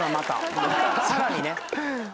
さらにね。